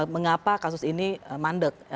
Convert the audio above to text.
mengapa kasus ini mandek